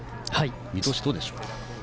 見通し、どうでしょうか？